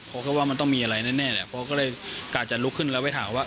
เพราะแค่ว่ามันต้องมีอะไรแน่แหละเพราะก็เลยกะจะลุกขึ้นแล้วไปถามว่า